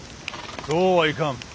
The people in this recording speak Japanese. そうはいかん。